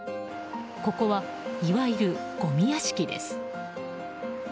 ここは、いわゆるごみ屋敷です。